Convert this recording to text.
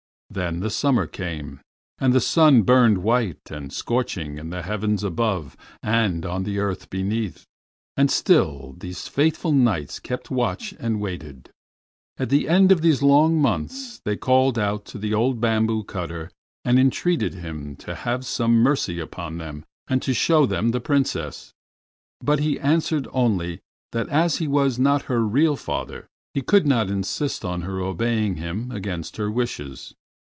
Then the summer came, and the sun burned white and scorching in the heavens above and on the earth beneath, and still these faithful Knights kept watch and waited. At the end of these long months they called out to the old bamboo cutter and entreated him to have some mercy upon them and to show them the Princess, but he answered only that as he was not her real father he could not insist on her obeying him against her wishes.